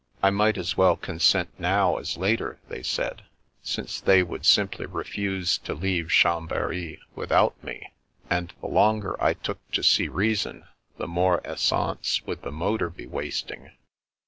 I might as well consent now, as later, they said, since they would simply refuse to leave Chambery without me, and the longer I took to see reason, the more essence would the motor be wasting.